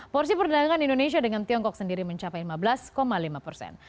porsi perdagangan indonesia dengan tiongkok sendiri mencapai lima belas lima persen